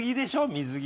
水着。